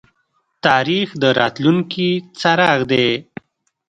تاریخ د راتلونکي څراغ دی